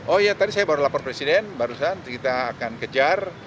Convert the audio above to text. oh iya tadi saya baru lapor presiden barusan kita akan kejar